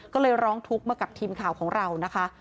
ก็เลยร้องทุกข์มากับทีมข่าวของเรานะคะ